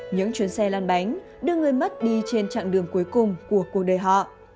những chuyến xe lăn bánh đưa người mất đi trên chặng đường cuối cùng của cuộc đời họ